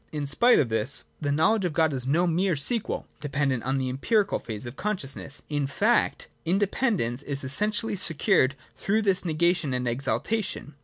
In spite of this, the know ledge of God is no mere sequel, dependent on the empirical phase of consciousness : in fact, its indepen dence is essentially secured through this negation and exaltation.